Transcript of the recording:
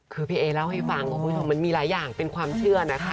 คือพี่เอเล่าให้ฟังคุณผู้ชมมันมีหลายอย่างเป็นความเชื่อนะคะ